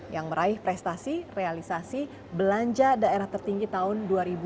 yang meraih prestasi realisasi belanja daerah tertinggi tahun dua ribu dua puluh